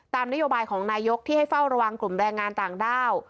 นโยบายของนายกที่ให้เฝ้าระวังกลุ่มแรงงานต่างด้าว